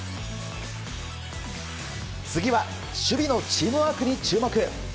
次は、守備のチームワークに注目。